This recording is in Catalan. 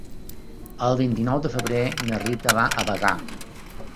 El vint-i-nou de febrer na Rita va a Bagà.